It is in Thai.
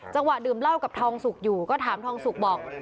ดื่มเหล้ากับทองสุกอยู่ก็ถามทองสุกบอก